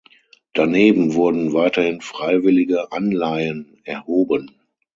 Daneben wurden weiterhin freiwillige Anleihen erhoben.